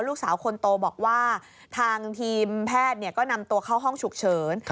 ลูกสาวคนโตบอกว่าทางทีมแพทย์ก็นำตัวเข้าห้องฉุกเฉิน